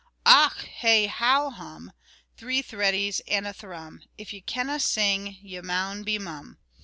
Och, hey, how, hum, Three threadies and a thrum: If ye canna sing, ye maun be mum.